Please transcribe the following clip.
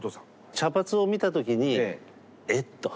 茶髪を見た時に「えっ？」と。